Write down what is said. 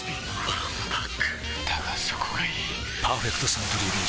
わんぱくだがそこがいい「パーフェクトサントリービール糖質ゼロ」